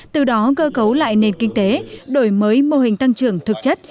từ đó cơ cấu lại nền kinh tế đổi mới mô hình tăng trưởng thực chất